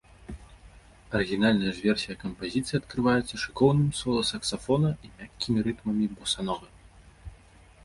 Арыгінальная ж версія кампазіцыі адкрываецца шыкоўным сола саксафона і мяккімі рытмамі боса-новы.